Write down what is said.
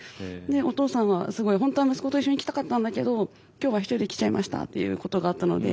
お父さんはすごい本当は息子と一緒に来たかったんだけど今日は一人で来ちゃいましたっていうことがあったので。